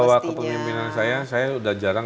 kalau di bawah kepemimpinan saya saya udah jarang